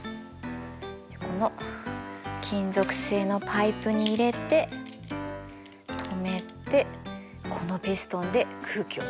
じゃこの金属製のパイプに入れて留めてこのピストンで空気を圧縮します。